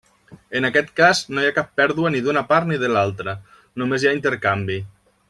En aquest cas, no hi ha cap pèrdua ni d'una part ni de l'altra, només hi ha intercanvi.